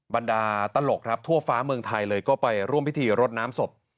บรรดาตลกครับทั่วฟ้าเมืองไทยเลยก็ไปร่วมพิธีรดน้ำศพ